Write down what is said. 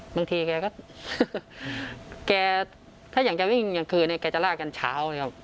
บางทีแกก็แกถ้าอยากจะวิ่งกลางคืนเนี่ยแกจะลากกันเช้านะครับ